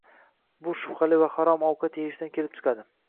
Bu shubhali va harom ovqat yeyishdan kelib chiqadi”.